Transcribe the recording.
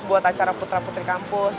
buat acara putra putri kampus